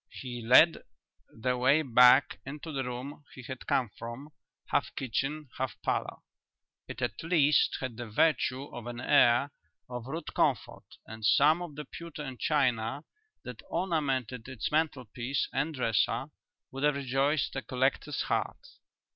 He led the way back into the room he had come from, half kitchen, half parlour. It at least had the virtue of an air of rude comfort, and some of the pewter and china that ornamented its mantelpiece and dresser would have rejoiced a collector's heart.